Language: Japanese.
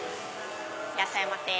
いらっしゃいませ。